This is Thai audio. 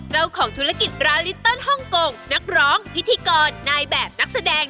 เจ้าของธุรกิจร้านลิเติ้ลฮ่องกงนักร้องพิธีกรนายแบบนักแสดง